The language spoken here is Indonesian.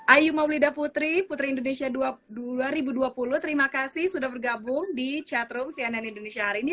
ayu maulida putri putri indonesia dua ribu dua puluh terima kasih sudah bergabung di chatroom cnn indonesia hari ini